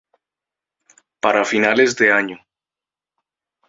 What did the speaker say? Para finales de año.